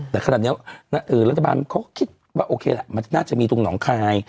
แต่ขณะแนวอื่นรัตบาลเขาคิดว่าโอเคมันน่าจะมีตรงหนองคลาย